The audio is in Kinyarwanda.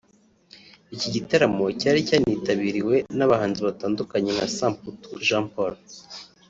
Iki gitaramo cyari cyanitabiriwe n’abahanzi batandukanye nka Samputu Jean Paul